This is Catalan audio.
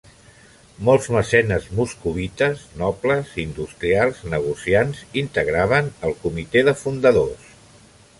Molts mecenes moscovites: nobles, industrials, negociants integraven el Comitè de Fundadors.